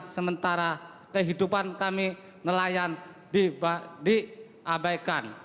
sementara kehidupan kami nelayan diabaikan